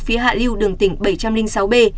phía hạ lưu đường tỉnh bảy trăm linh sáu b